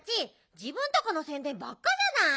じぶんとこのせんでんばっかじゃない。